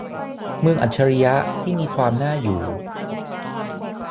เมืองอัจฉริยะที่มีความน่าอยู่